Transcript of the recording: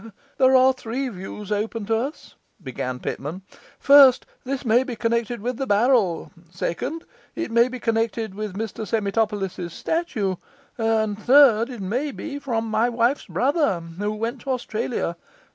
'There are three views open to us,' began Pitman. 'First this may be connected with the barrel; second, it may be connected with Mr Semitopolis's statue; and third, it may be from my wife's brother, who went to Australia.